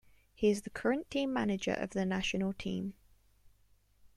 He is the current team manager of the national team.